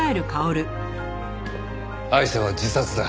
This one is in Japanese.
アイシャは自殺だ。